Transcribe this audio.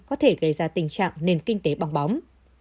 có thể gây ra tình trạng nền kinh tế bong bóng